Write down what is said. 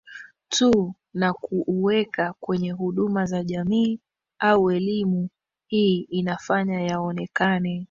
tu na kuuweka kwenye huduma za jamii au elimu hii inafanya yaonekane